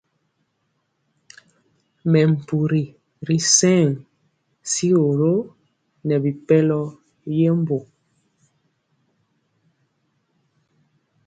Mɛmpuri ri sɛŋ sigoro nɛ bipɛlɔ yembo.